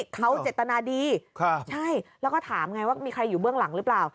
เขาเจตนาดีใช่แล้วก็ถามไงว่ามีใครอยู่เบื้องหลังหรือเปล่า